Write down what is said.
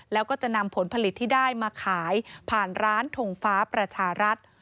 แล้วก็จะนำผลผลิตที่ได้มาขายผ่านร้านทงฟ้าประชารัฐ